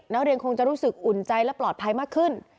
นักเรียนคงจะรู้สึกอุ่นใจและปลอดภัยมากขึ้น